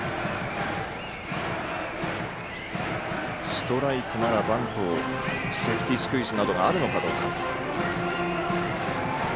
ストライクならバントセーフティースクイズなどあるのかどうか。